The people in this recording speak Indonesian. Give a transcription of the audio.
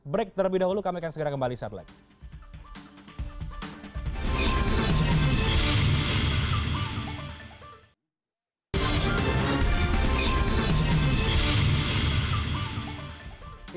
break terlebih dahulu kami akan segera kembali setelah ini